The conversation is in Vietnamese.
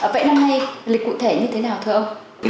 vậy năm nay lịch cụ thể như thế nào thưa ông